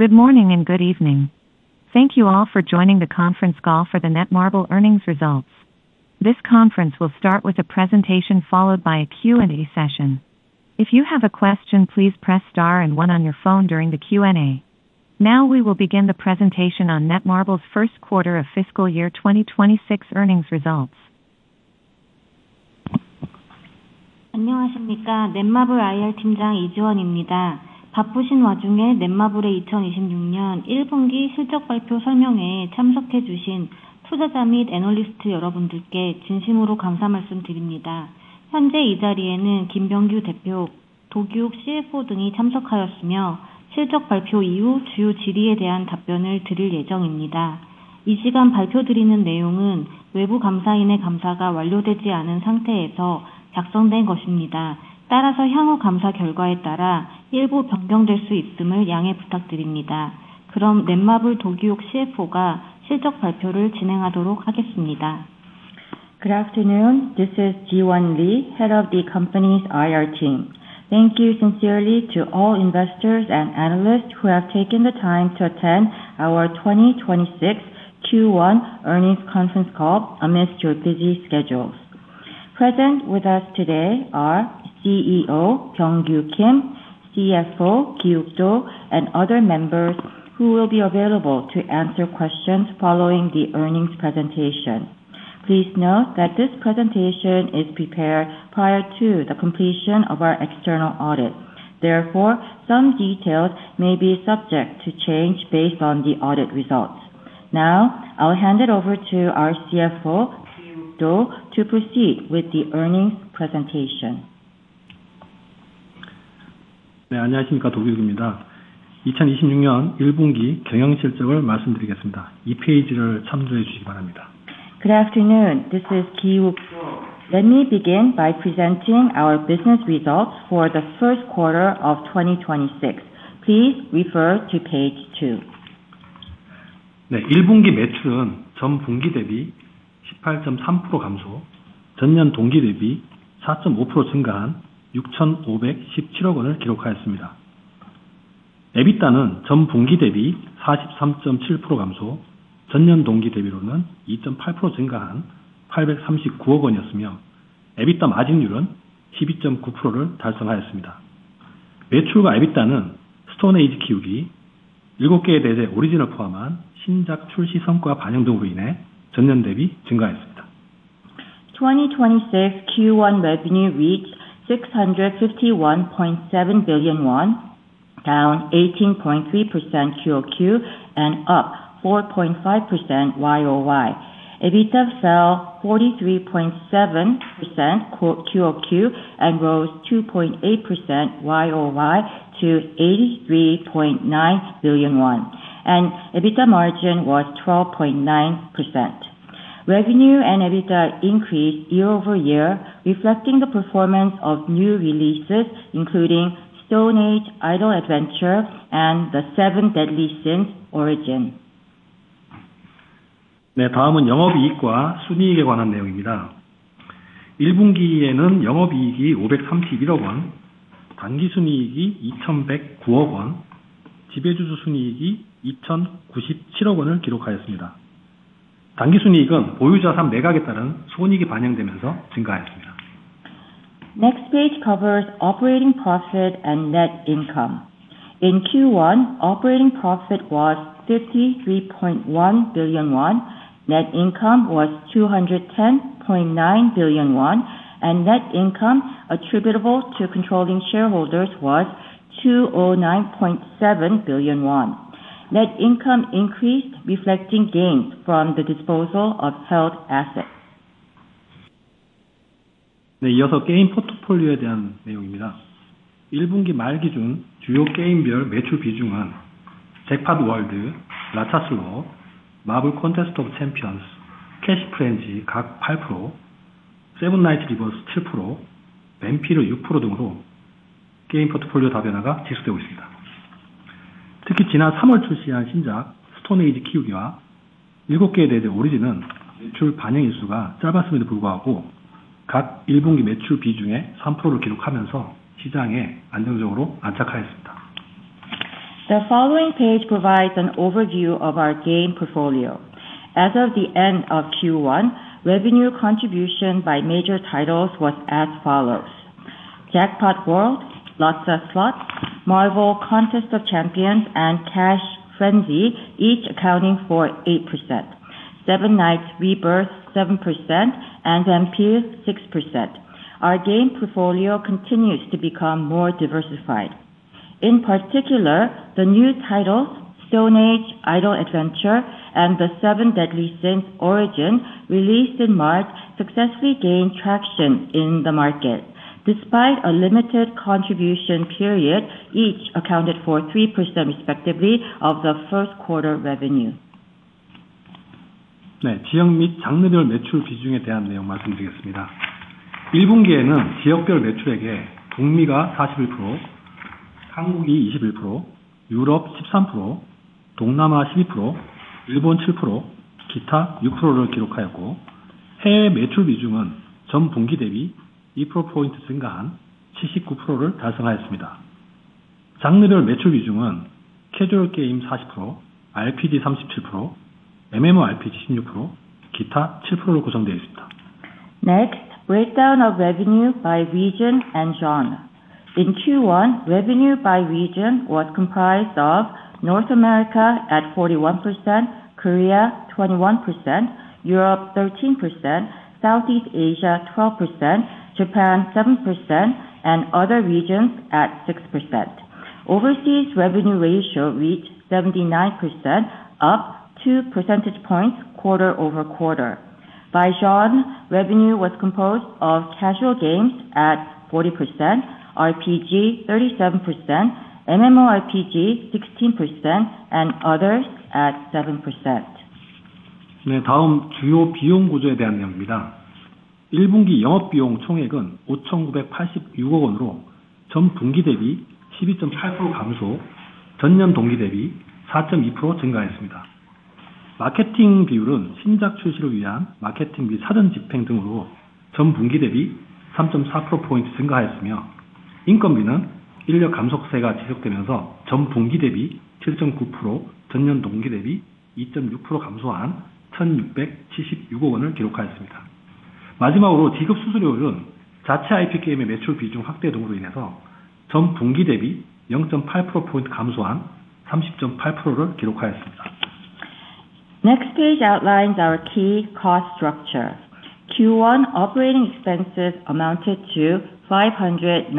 Good morning and good evening. Thank you all for joining the conference call for the Netmarble Earnings Results. This conference will start with a presentation followed by a Q&A session. If you have a question, please press star and one on your phone during the Q&A. Now we will begin the presentation on Netmarble's first quarter of fiscal year 2026 earnings results. [Non English-Content] Good afternoon. This is Jiwon Lee, Head of the company's IR team. Thank you sincerely to all investors and analysts who have taken the time to attend our 2026 Q1 earnings conference call amidst your busy schedules. Present with us today are CEO Byung-gyu Kim, CFO Do Gi-wook, and other members who will be available to answer questions following the earnings presentation. Please note that this presentation is prepared prior to the completion of our external audit. Therefore, some details may be subject to change based on the audit results. Now I'll hand it over to our CFO, Do Gi-wook, to proceed with the earnings presentation. [Non English-Content] Good afternoon. This is Do Gi-wook. Let me begin by presenting our business results for the first quarter of 2026. Please refer to page two. [Non English-Content] 2026 Q1 revenue reached 651.7 billion won, down 18.3% QoQ and up 4.5% YoY. EBITDA fell 43.7% QoQ and rose 2.8% YoY to 83.9 billion won, and EBITDA margin was 12.9%. Revenue and EBITDA increased year-over-year, reflecting the performance of new releases including Stone Age: Idle Adventure and The Seven Deadly Sins: Origin. [Non English-Content] Next page covers operating profit and net income. In Q1, operating profit was 53.1 billion won, net income was 210.9 billion won, and net income attributable to controlling shareholders was 209.7 billion won. Net income increased, reflecting gains from the disposal of held assets. [Non English-Content] The following page provides an overview of our game portfolio. As of the end of Q1, revenue contribution by major titles was as follows: Jackpot World, Lotsa Slots, Marvel Contest of Champions, and Cash Frenzy each accounting for 8%, Seven Knights Re:Birth 7%, and VAMPIR 6%. Our game portfolio continues to become more diversified. In particular, the new titles Stone Age: Idle Adventure and The Seven Deadly Sins: Origin, released in March, successfully gained traction in the market. Despite a limited contribution period, each accounted for 3% respectively of the first quarter revenue. [Non English-Content] Next, breakdown of revenue by region and genre. In Q1, revenue by region was comprised of North America at 41%, Korea 21%, Europe 13%, Southeast Asia 12%, Japan 7%, and other regions at 6%. Overseas revenue ratio reached 79%, up two percentage points quarter-over-quarter. By genre, revenue was composed of casual games at 40%, RPG 37%, MMORPG 16%, and others at 7%. [Non English-Content] Next page outlines our key cost structure. Q1 operating expenses amounted to 598.6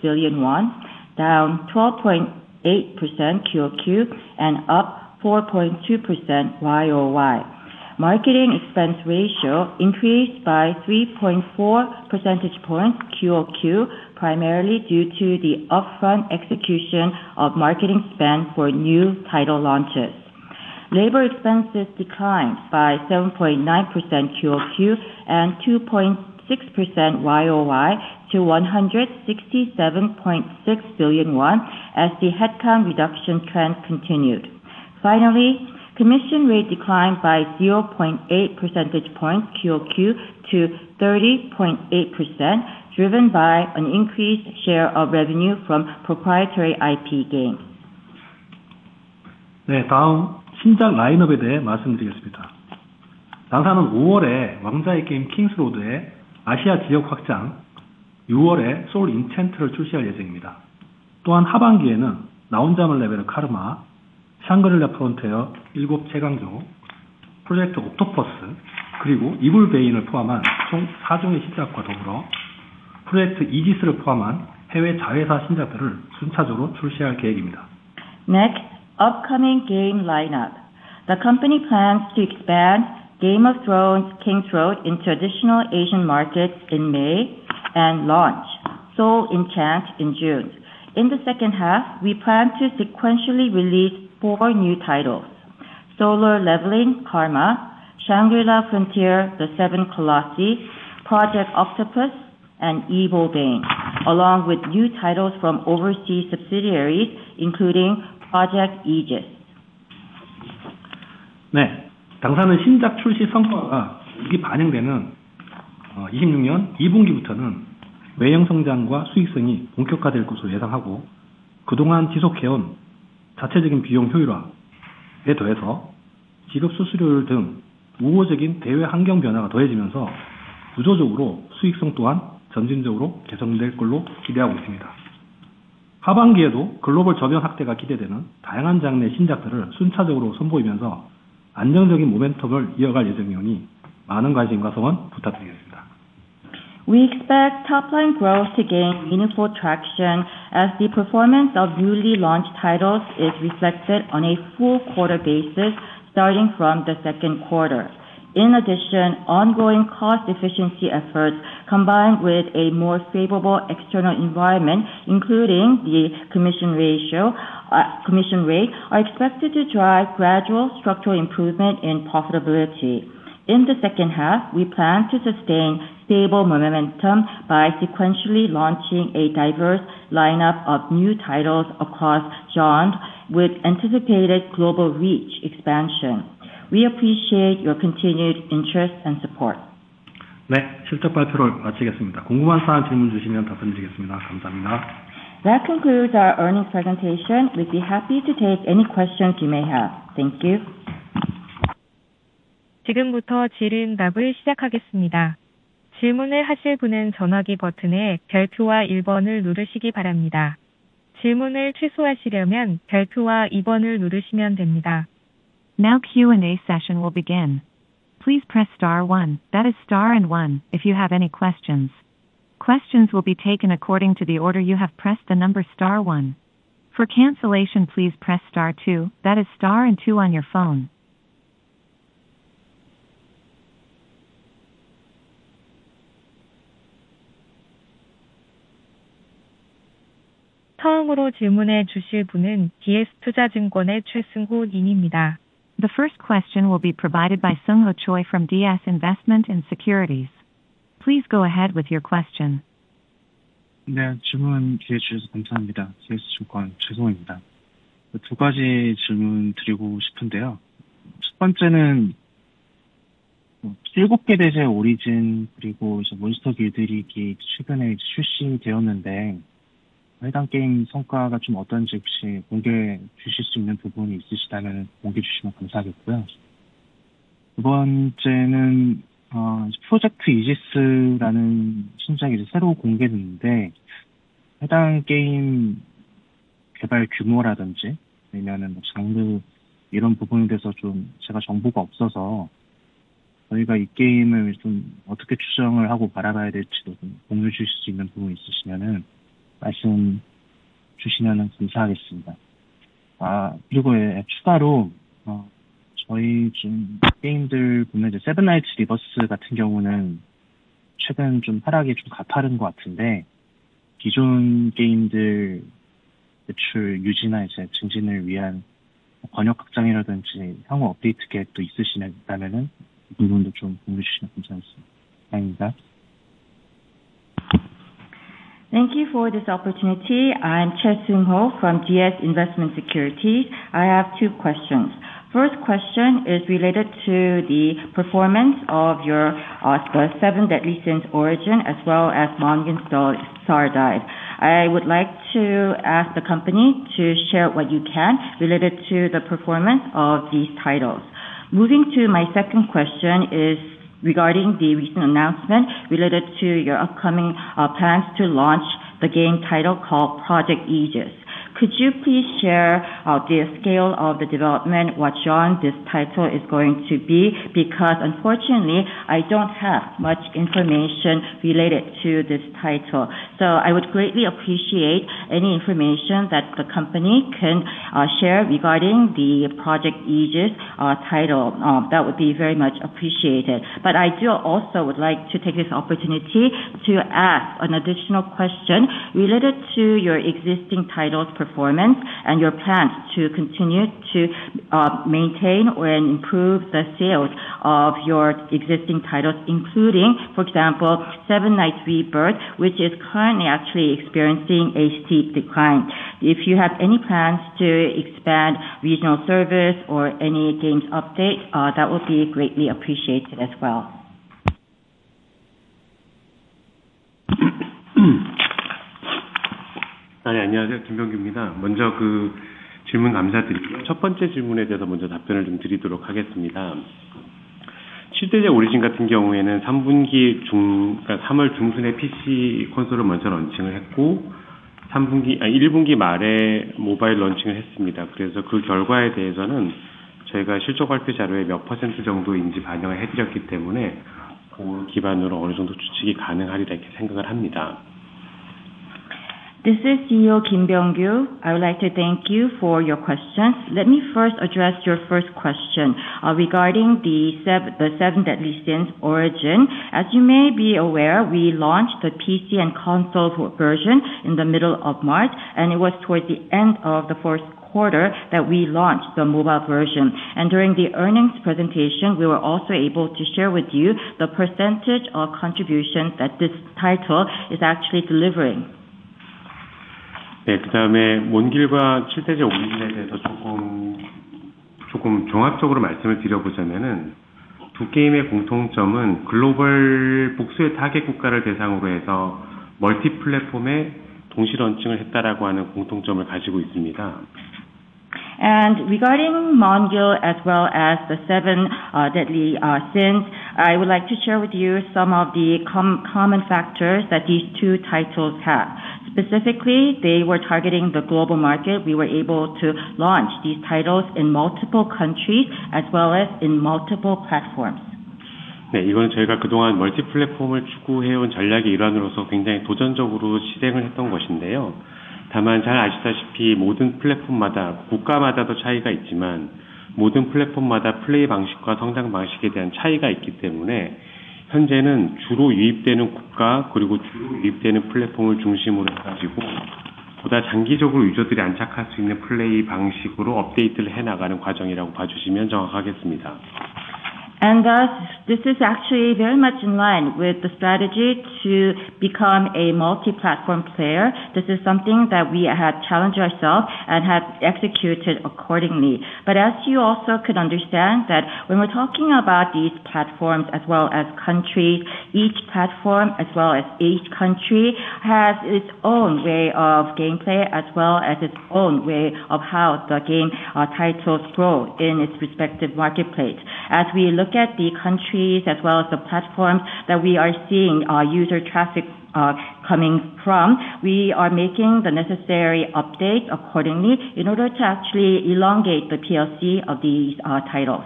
billion won, down 12.8% QoQ and up 4.2% YoY. Marketing expense ratio increased by 3.4 percentage points QoQ, primarily due to the upfront execution of marketing spend for new title launches. Labor expenses declined by 7.9% QoQ and 2.6% YoY to 167.6 billion won as the headcount reduction trend continued. Finally, commission rate declined by 0.8 percentage points QoQ to 30.8%, driven by an increased share of revenue from proprietary IP games. [Non English-Content] Next, upcoming game lineup. The company plans to expand Game of Thrones: King's Road in traditional Asian markets in May and launch Soul Enchant in June. In the second half, we plan to sequentially release four new titles: Solo Leveling: KARMA, Shangri-La Frontier: The Seven Colossi, Project Octopus, and Evil Bane, along with new titles from overseas subsidiaries, including Project Aegis. [Non English-Content] We expect top line growth to gain meaningful traction as the performance of newly launched titles is reflected on a full quarter basis starting from the second quarter. In addition, ongoing cost efficiency efforts combined with a more favorable external environment, including the commission rate, are expected to drive gradual structural improvement in profitability. In the second half, we plan to sustain stable momentum by sequentially launching a diverse lineup of new titles across genres with anticipated global reach expansion. We appreciate your continued interest and support. [Non English-Content] That concludes our earnings presentation. We'd be happy to take any question you may have. Thank you. [Non English-Content] The first question will be provided by Choi Seung-ho from DS Investment & Securities. Please go ahead with your question. [Non English-Content] Thank you for this opportunity. I'm Choi Seung-ho from DS Investment & Securities. I have two questions. First question is related to the performance of your The Seven Deadly Sins: Origin, as well as MONGIL: STAR DIVE. I would like to ask the company to share what you can related to the performance of these titles. Moving to my second question is regarding the recent announcement related to your upcoming plans to launch the game title called Project Aegis. Could you please share the scale of the development, what genre this title is going to be? Unfortunately, I don't have much information related to this title. I would greatly appreciate any information that the company can share regarding the Project Aegis title. That would be very much appreciated. I also would like to take this opportunity to ask an additional question related to your existing title's performance and your plans to continue to maintain or, and improve the sales of your existing titles, including, for example, Seven Knights Re:Birth, which is currently actually experiencing a steep decline. If you have any plans to expand regional service or any games update, that would be greatly appreciated as well. [Non English-Content] This is CEO Byung-gyu Kim. I would like to thank you for your questions. Let me first address your first question regarding The Seven Deadly Sins: Origin. As you may be aware, we launched the PC and console version in the middle of March, and it was towards the end of the first quarter that we launched the mobile version. During the earnings presentation, we were also able to share with you the percentage of contributions that this title is actually delivering. [Non English-Content] Regarding MONGIL as well as The Seven Deadly Sins, I would like to share with you some of the common factors that these two titles have. Specifically, they were targeting the global market. We were able to launch these titles in multiple countries as well as in multiple platforms. [Non English-Content] Thus, this is actually very much in line with the strategy to become a multi-platform player. This is something that we have challenged ourselves and have executed accordingly. As you also can understand that when we're talking about these platforms as well as countries, each platform as well as each country has its own way of gameplay as well as its own way of how the game titles grow in its respective marketplace. As we look at the countries as well as the platforms that we are seeing user traffic coming from, we are making the necessary updates accordingly in order to actually elongate the PLC of these titles.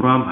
[Non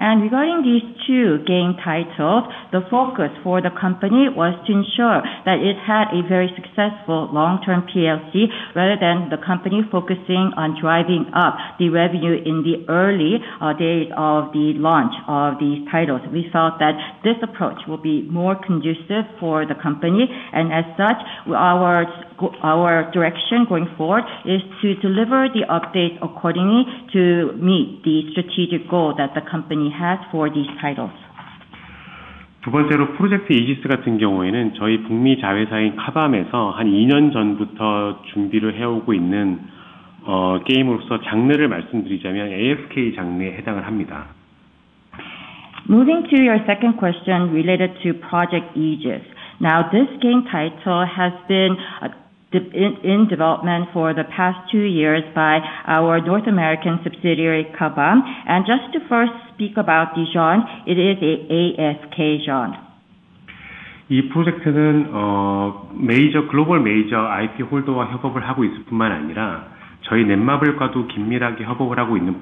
English-Content] Regarding these two game titles, the focus for the company was to ensure that it had a very successful long term PLC rather than the company focusing on driving up the revenue in the early days of the launch of these titles. We thought that this approach will be more conducive for the company, and as such, our direction going forward is to deliver the update accordingly to meet the strategic goal that the company has for these titles. [Non English-Content] Moving to your second question related to Project Aegis. Now, this game title has been in development for the past two years by our North American subsidiary, Kabam. Just to first speak about the genre, it is an AFK genre. [Non English-Content] In respect to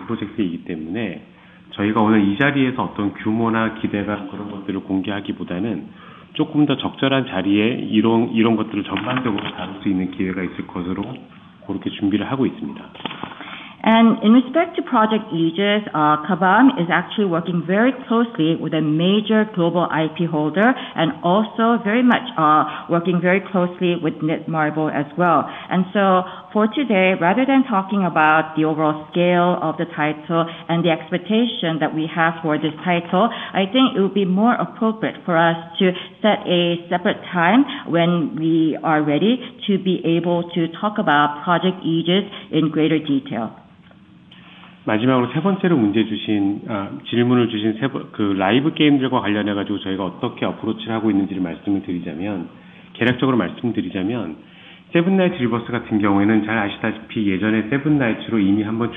Project Aegis, Kabam is actually working very closely with a major global IP holder and also very much working very closely with Netmarble as well. For today, rather than talking about the overall scale of the title and the expectation that we have for this title, I think it would be more appropriate for us to set a separate time when we are ready to be able to talk about Project Aegis in greater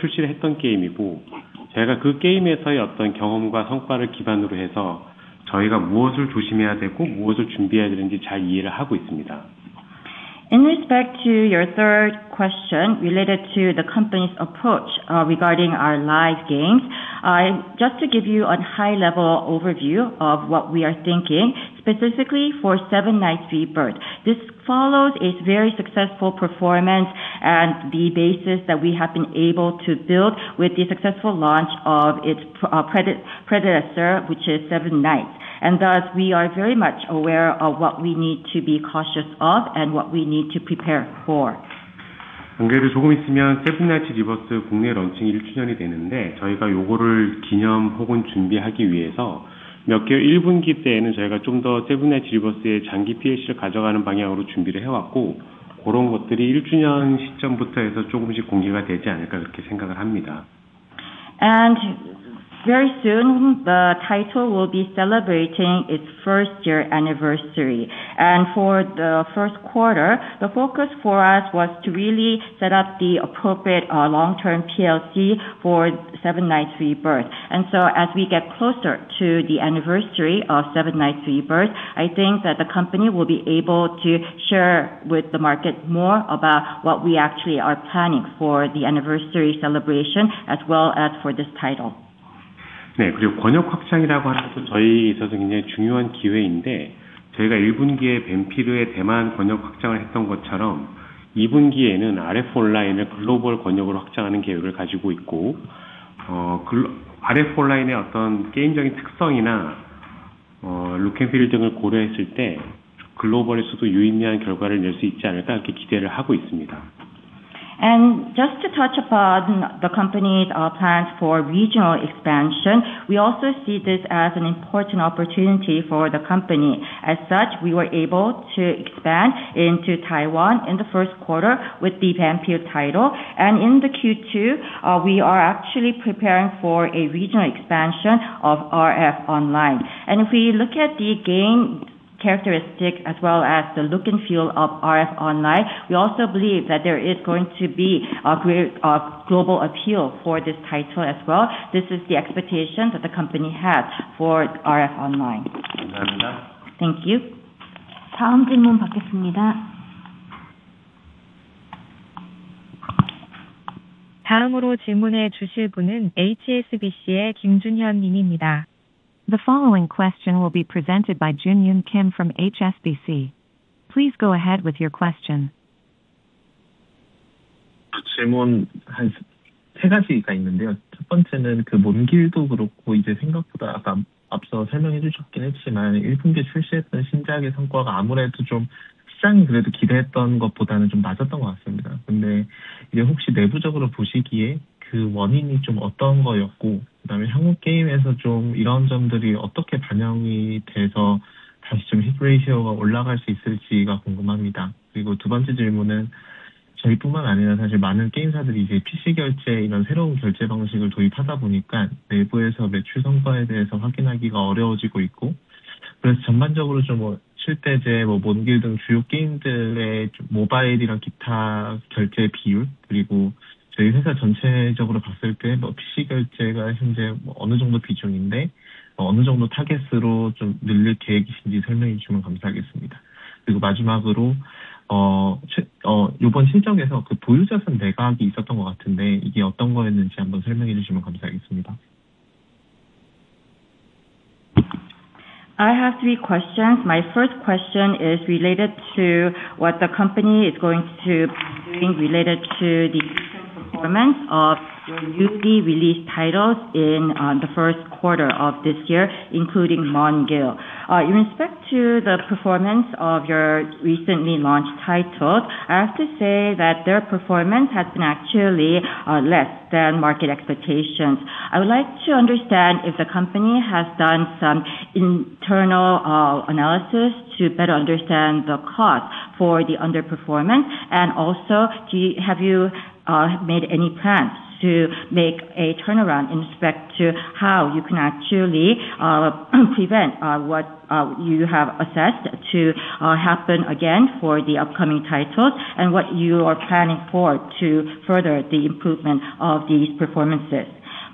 detail. [Non English-Content] In respect to your third question related to the company's approach, regarding our live games. Just to give you a high level overview of what we are thinking specifically for Seven Knights Re:Birth. This follows its very successful performance and the basis that we have been able to build with the successful launch of its pre-predecessor, which is Seven Knights. Thus we are very much aware of what we need to be cautious of and what we need to prepare for. [Non English-Content] Very soon the title will be celebrating its first year anniversary. For the first quarter, the focus for us was to really set up the appropriate long term PLC for Seven Knights Re:Birth. As we get closer to the anniversary of Seven Knights Re:Birth, I think that the company will be able to share with the market more about what we actually are planning for the anniversary celebration as well as for this title. [Non English-Content] Just to touch upon the company's plans for regional expansion, we also see this as an important opportunity for the company. As such, we were able to expand into Taiwan in the first quarter with the VAMPIR title. In the Q2, we are actually preparing for a regional expansion of RF Online. If we look at the game characteristic as well as the look and feel of RF Online, we also believe that there is going to be a great global appeal for this title as well. This is the expectation that the company has for RF Online. [Non English-Content] Thank you. [Non English-Content] [Non English-Content] I have three questions. My first question is related to what the company is going to be doing related to the recent performance of your newly released titles in the first quarter of this year, including MONGIL. In respect to the performance of your recently launched titles, I have to say that their performance has been actually less than market expectations. I would like to understand if the company has done some internal analysis to better understand the cause for the underperformance. Also have you made any plans to make a turnaround in respect to how you can actually prevent what you have assessed to happen again for the upcoming titles and what you are planning for to further the improvement of these performances?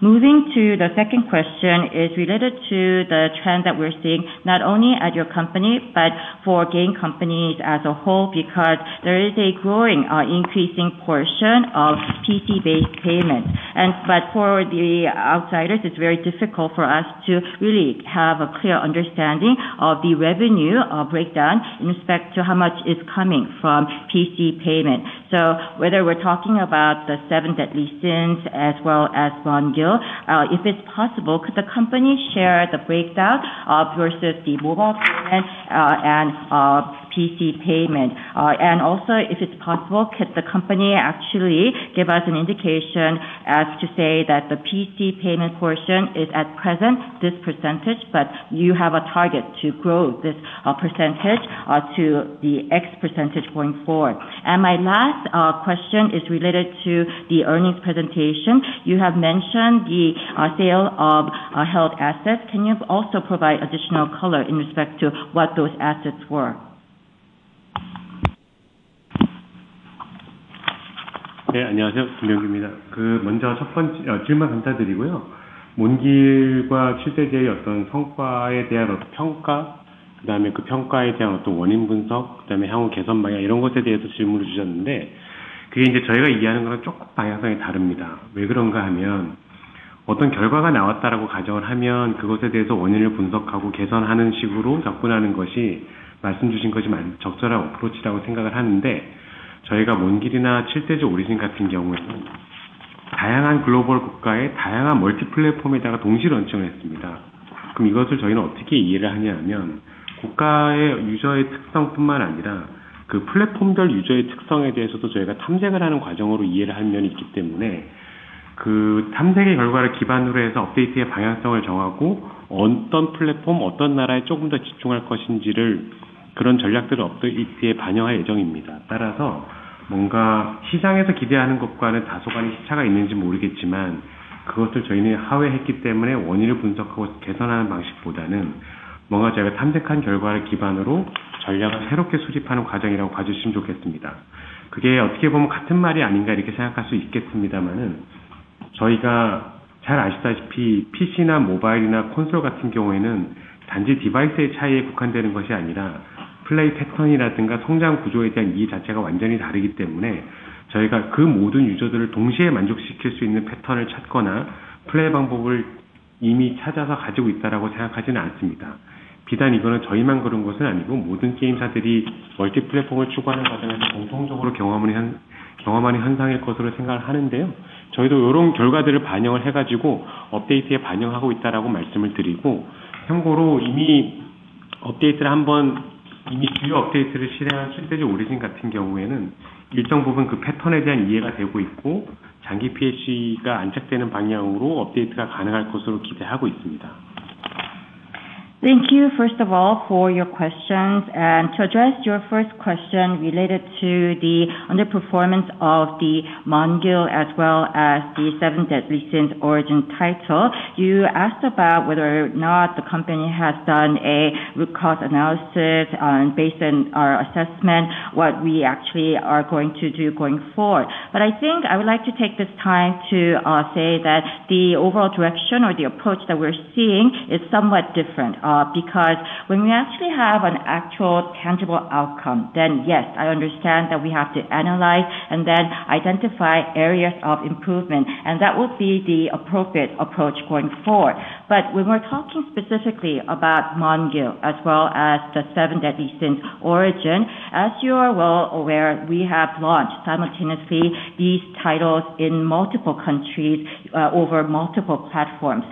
Moving to the second question is related to the trend that we're seeing not only at your company, but for game companies as a whole, because there is a growing increasing portion of PC-based payment. For the outsiders, it's very difficult for us to really have a clear understanding of the revenue breakdown in respect to how much is coming from PC payment. Whether we're talking about The Seven Deadly Sins as well as [Non English-Content] if it's possible, could the company share the breakdown versus the mobile payment and PC payment? If it's possible, could the company actually give us an indication as to say that the PC payment portion is at present this percentage, but you have a target to grow this percentage to the X percentage going forward. My last question is related to the earnings presentation. You have mentioned the sale of held assets. Can you also provide additional color in respect to what those assets were? [Non English-Content] [Non English-Content] Thank you first of all for your questions. To address your first question related to the underperformance of the MONGIL as well as The Seven Deadly Sins: Origin, you asked about whether or not the company has done a root cause analysis, based on our assessment, what we actually are going to do going forward. I think I would like to take this time to say that the overall direction or the approach that we're seeing is somewhat different. When we actually have an actual tangible outcome, then yes, I understand that we have to analyze and then identify areas of improvement, and that will be the appropriate approach going forward. When we're talking specifically about MONGIL as well as The Seven Deadly Sins: Origin, as you are well aware, we have launched simultaneously these titles in multiple countries over multiple platforms.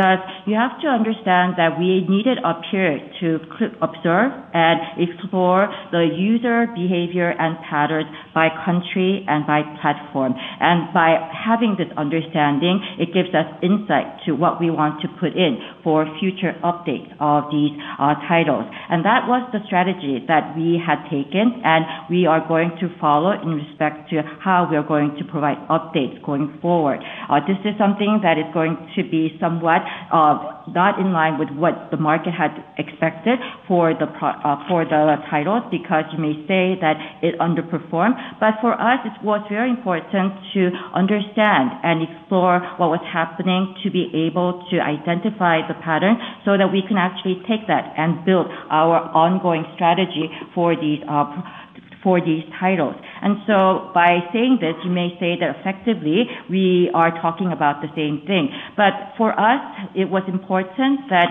That you have to understand that we needed a period to observe and explore the user behavior and patterns by country and by platform. By having this understanding, it gives us insight to what we want to put in for future updates of these titles. That was the strategy that we had taken, and we are going to follow in respect to how we are going to provide updates going forward. This is something that is going to be somewhat not in line with what the market had expected for the titles, because you may say that it underperformed. For us, it was very important to understand and explore what was happening to be able to identify the pattern so that we can actually take that and build our ongoing strategy for these titles. By saying this, you may say that effectively we are talking about the same thing. For us, it was important that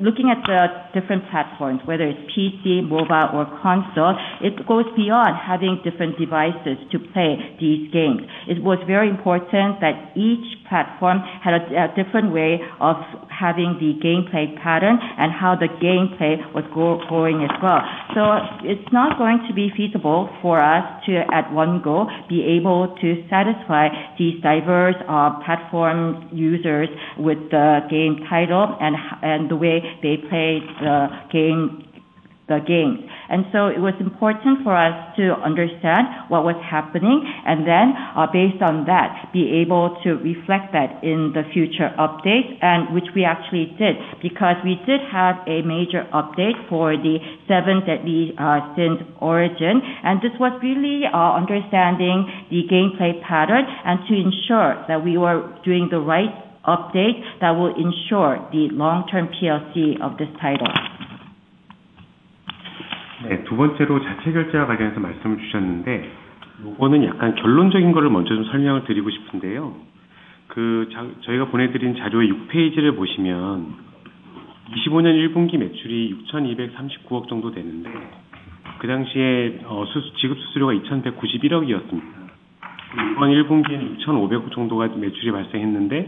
looking at the different platforms, whether it's PC, mobile or console, it goes beyond having different devices to play these games. It was very important that each platform had a different way of having the gameplay pattern and how the gameplay was going as well. It's not going to be feasible for us to, at one go, be able to satisfy these diverse platform users with the game title and the way they play the games. It was important for us to understand what was happening and then, based on that, be able to reflect that in the future updates and which we actually did, because we did have a major update for the Seven Deadly Sins: Origin. This was really understanding the gameplay pattern and to ensure that we were doing the right update that will ensure the long-term PLC of this title. [Non English-Content] Moving to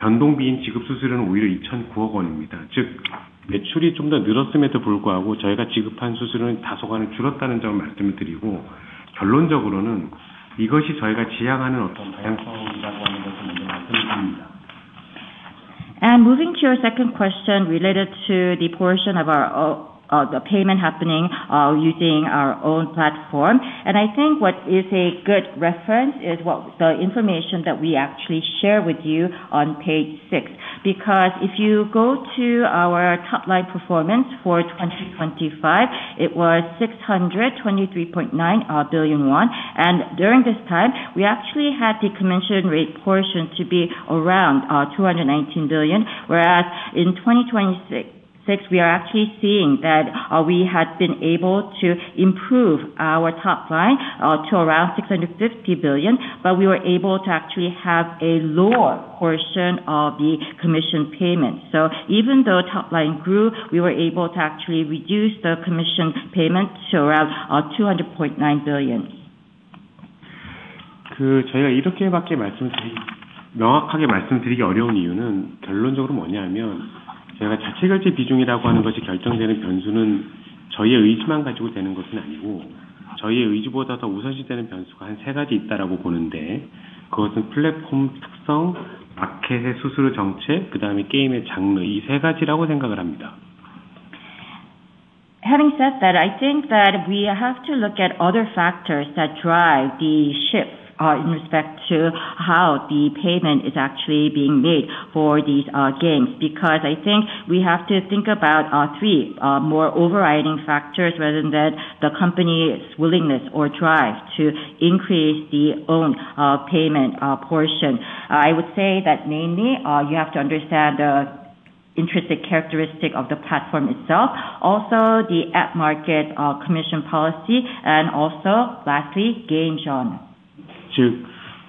your second question related to the portion of our of the payment happening, using our own platform. I think what is a good reference is what the information that we actually share with you on page six. If you go to our top line performance for 2025, it was 623.9 billion won. During this time, we actually had the commission rate portion to be around 219 billion. Whereas in 2026, we are actually seeing that we had been able to improve our top line to around 650 billion, but we were able to actually have a lower portion of the commission payment. Even though top line grew, we were able to actually reduce the commission payment to around KRW 200.9 billion. [Non English-Content] Having said that, I think that we have to look at other factors that drive the shift in respect to how the payment is actually being made for these games. I think we have to think about three more overriding factors rather than the company's willingness or drive to increase the own payment portion. I would say that mainly, you have to understand the intrinsic characteristic of the platform itself, also the app market commission policy, and also lastly, game genre. [Non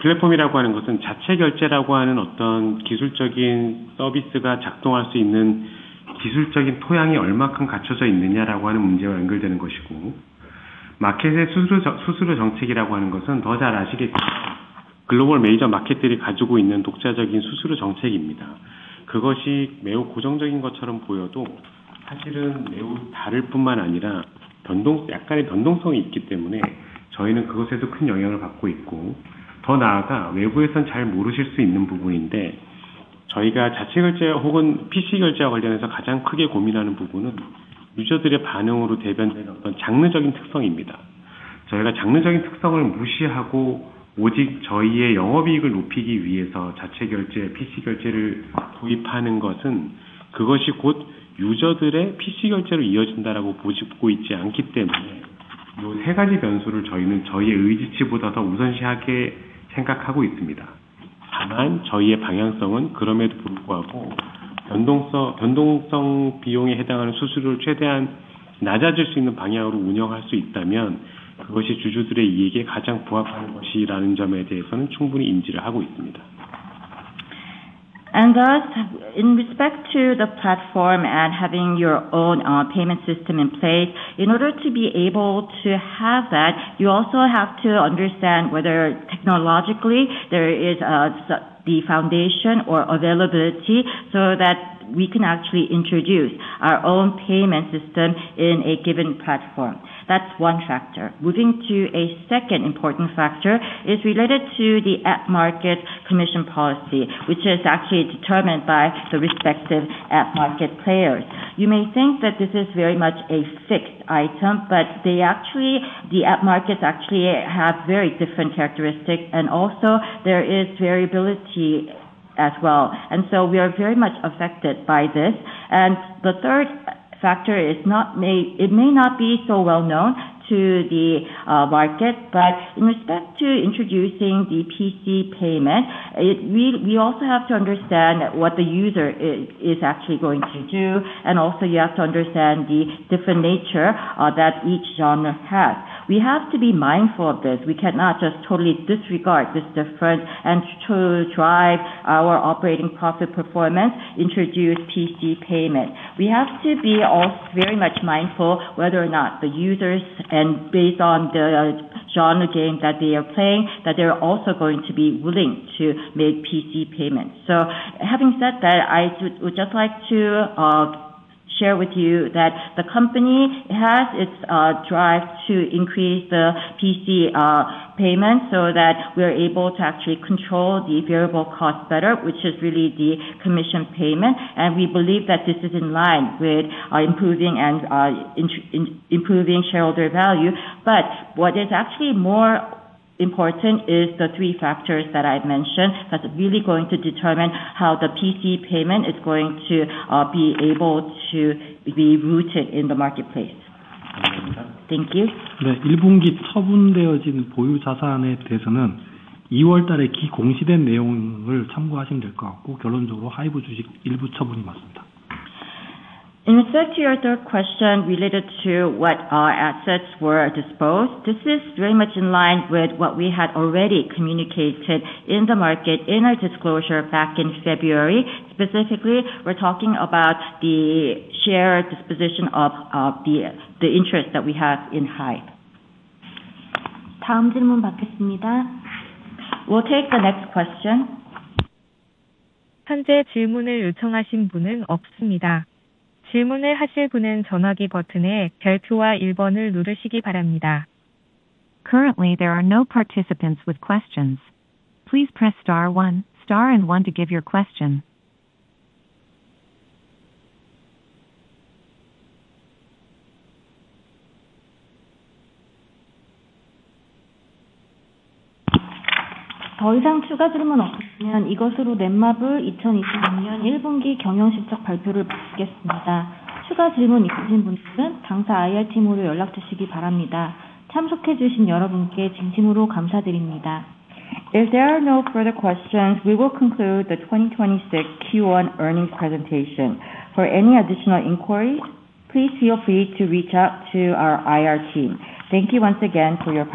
English-Content] [Non English-Content] In respect to the platform and having your own payment system in place, in order to be able to have that, you also have to understand whether technologically there is the foundation or availability so that we can actually introduce our own payment system in a given platform. That's one factor. Moving to a second important factor is related to the app market commission policy, which is actually determined by the respective app market players. You may think that this is very much a fixed item, but the app markets actually have very different characteristics, and also there is variability as well. We are very much affected by this. The third factor is not it may not be so well known to the market. In respect to introducing the PC payment, we also have to understand what the user is actually going to do, and also you have to understand the different nature that each genre has. We have to be mindful of this. We cannot just totally disregard this difference and to drive our operating profit performance, introduce PC payment. We have to be very much mindful whether or not the users and based on the genre game that they are playing, that they are also going to be willing to make PC payments. Having said that, I would just like to share with you that the company has its drive to increase the PC payment so that we're able to actually control the variable cost better, which is really the commission payment. We believe that this is in line with improving and improving shareholder value. What is actually more important is the three factors that I've mentioned, that's really going to determine how the PC payment is going to be able to be rooted in the marketplace. Thank you. In respect to your third question related to what our assets were disposed, this is very much in line with what we had already communicated in the market in our disclosure back in February. Specifically, we're talking about the share disposition of the interest that we have in HYBE. We'll take the next question. Currently, there are no participants with questions. Please press star one, star and one to give your question. If there are no further questions, we will conclude the 2026 Q1 earnings presentation. For any additional inquiries, please feel free to reach out to our IR team. Thank you once again for your participation.